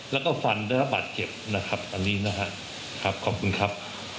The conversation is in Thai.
แล้วก็ฟันได้รับบาดเจ็บนะครับอันนี้นะครับขอบคุณครับ